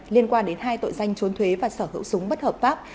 liên quan đến hai tội danh trốn thuế và sở hữu súng bất hợp pháp